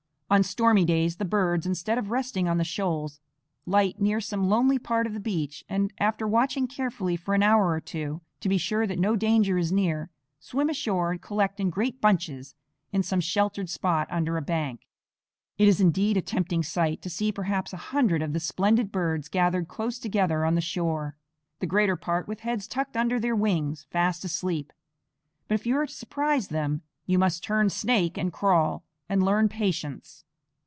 On stormy days the birds, instead of resting on the shoals, light near some lonely part of the beach and, after watching carefully for an hour or two, to be sure that no danger is near, swim ashore and collect in great bunches in some sheltered spot under a bank. It is indeed a tempting sight to see perhaps a hundred of the splendid birds gathered close together on the shore, the greater part with heads tucked under their wings, fast asleep; but if you are to surprise them, you must turn snake and crawl, and learn patience.